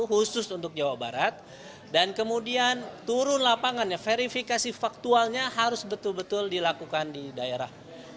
khusus untuk jawa barat dan kemudian turun lapangannya verifikasi faktualnya harus betul betul dilakukan di daerah